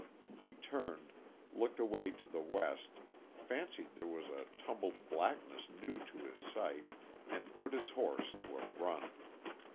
He turned, looked away to the west, fancied there a tumbled blackness new to his sight, and put his horse to a run.